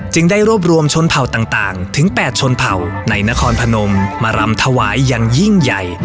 ได้รวบรวมชนเผ่าต่างถึง๘ชนเผ่าในนครพนมมารำถวายอย่างยิ่งใหญ่